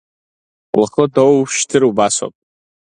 Лхы доуушьҭыр убасоуп…